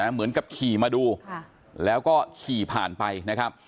เหมือนกับขี่มาดูแล้วก็ขี่ผ่านไปนะครับ